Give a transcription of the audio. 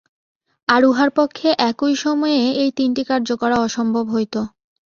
আর উহার পক্ষে একই সময়ে এই তিনটি কার্য করা অসম্ভব হইত।